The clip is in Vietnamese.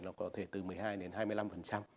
là có thể từ một mươi hai đến hai mươi năm